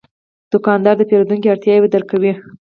دوکاندار د پیرودونکو اړتیاوې درک کوي.